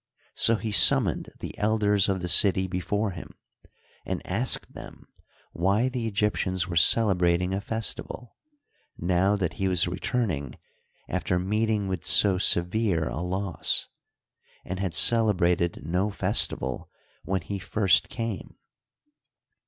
So he summoned the elders of the city before him and asked them why the Egyptians were celebrating a festival, now that he was returning after meeting with so severe a loss, and had celebrated no fes tival when he first came.